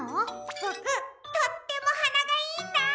ボクとってもはながいいんだ！